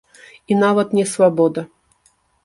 І нават не свабода.